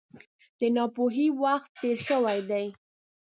د ناپوهۍ وخت تېر شوی دی.